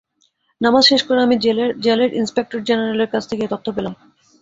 নামাজ শেষ করে আমি জেলের ইন্সপেক্টর জেনারেলের কাছ থেকে এ তথ্য পেলাম।